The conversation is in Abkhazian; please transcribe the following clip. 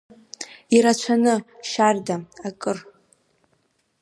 Ирацәаны, шьарда, акыр.